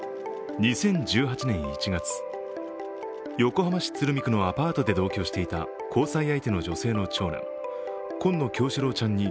２０１８年１月、横浜市鶴見区のアパートで同居していた交際相手の女性の長男、紺野叶志郎ちゃんに